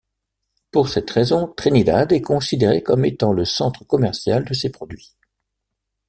Pour cette raison, Trinidad est considéré comme étant le centre commercial de ces produits.